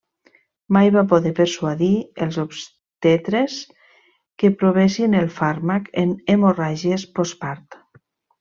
Mai va poder persuadir els obstetres que provessin el fàrmac en hemorràgies postpart.